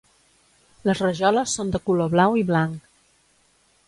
Les rajoles són de color blau i blanc.